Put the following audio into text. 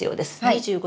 ２５